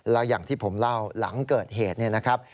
แล้วอย่างที่ผมเล่าหลังเกิดเหตุเนี่ยนะครับ